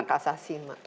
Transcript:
hak asasi maksudnya